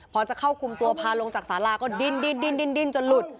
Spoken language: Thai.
พอจะเข้าคุมตัวพาลงจากสาราก็ดิ้นจนหลุด